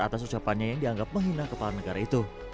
atas ucapannya yang dianggap menghina kepala negara itu